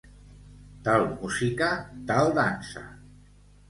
Tal música, tal dansa.